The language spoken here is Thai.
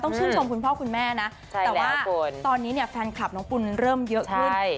ชื่นชมคุณพ่อคุณแม่นะแต่ว่าตอนนี้เนี่ยแฟนคลับน้องปุ่นเริ่มเยอะขึ้น